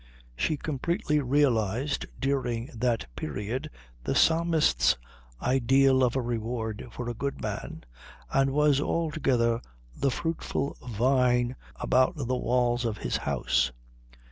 She completely realised during that period the Psalmist's ideal of a reward for a good man and was altogether the fruitful vine about the walls of his house.